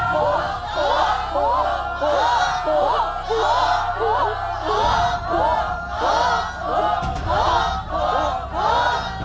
ถูก